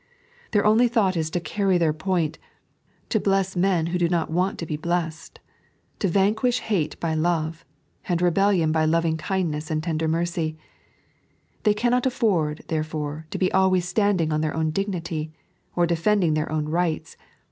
Their only thought is to carry 3.a.t.zsdt,y Google The Cure for Pride. 25 their point, to bless men who do not want to be blessed, to vanquish bate hj love, and rebellion by loving kindness and tender mercy. They cannot afford, therefore, to be always standing on their own dignity, and defending their own rights.